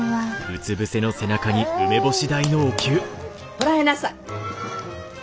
こらえなさい！